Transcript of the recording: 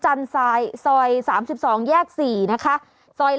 ทางเข้าไปเพราะว่าถ้าเราเข้าไปอ่ะ